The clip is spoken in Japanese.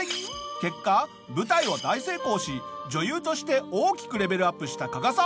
結果舞台は大成功し女優として大きくレベルアップした加賀さん。